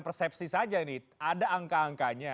persepsi saja ini ada angka angkanya